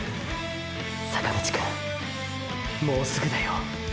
坂道くん――もうすぐだよ